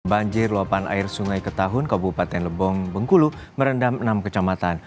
banjir luapan air sungai ketahun kabupaten lebong bengkulu merendam enam kecamatan